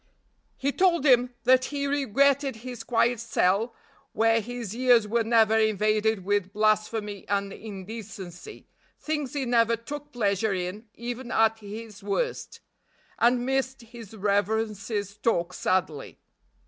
He told him that he regretted his quiet cell where his ears were never invaded with blasphemy and indecency, things he never took pleasure in even at his worst and missed his reverence's talk sadly.